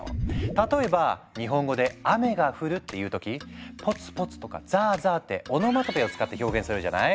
例えば日本語で雨が降るっていう時「ポツポツ」とか「ザーザー」ってオノマトペを使って表現するじゃない？